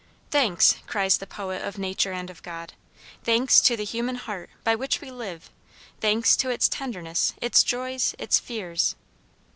"Thanks," cries the poet of nature and of God, "Thanks, to the human heart, by which we live, Thanks to its tenderness, its joys, its fears."